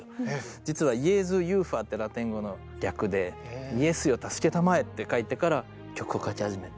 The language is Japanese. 実は「ＪｅｓｕＪｕｖａ」ってラテン語の略で「イエスよ助けたまえ」って書いてから曲を書き始めて。